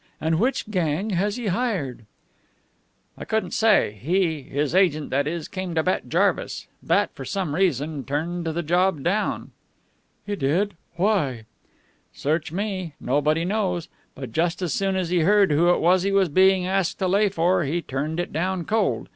"And which gang has he hired?" "I couldn't say. He his agent, that is came to Bat Jarvis. Bat for some reason turned the job down." "He did? Why?" "Search me. Nobody knows. But just as soon as he heard who it was he was being asked to lay for, he turned it down cold.